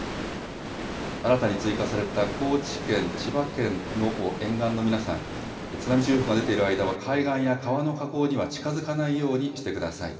新たに追加された高知県、千葉県の沿岸の皆さん、津波注意報が出ている間は、海岸や川の河口には近づかないようにしてください。